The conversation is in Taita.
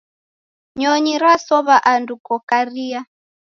Nyonyi yasow'a andu kokaria.